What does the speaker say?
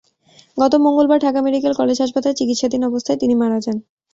গতকাল মঙ্গলবার Dhaka medical college হাসপাতালে চিকিৎসাধীন অবস্থায় তিনি মারা যান।